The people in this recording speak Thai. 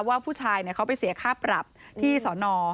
ว่าผู้ชายเขาไปเสียค่าปรับที่สอนอ